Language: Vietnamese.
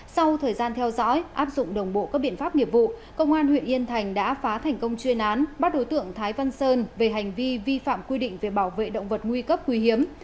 sau thời gian theo dõi áp dụng đồng bộ các biện pháp nghiệp vụ công an huyện yên thành đã phá thành công chuyên án bắt đối tượng thái văn sơn về hành vi vi phạm quy định về bảo vệ động vật nguy cấp quý hiếm